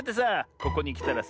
ここにきたらさ